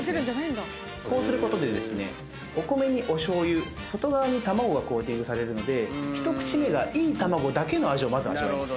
こうすることでですねお米にお醤油外側に卵がコーティングされるので１口目がいい卵だけの味をまず味わえます。